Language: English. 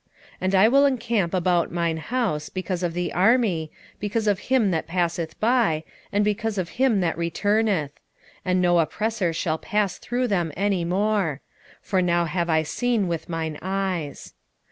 9:8 And I will encamp about mine house because of the army, because of him that passeth by, and because of him that returneth: and no oppressor shall pass through them any more: for now have I seen with mine eyes.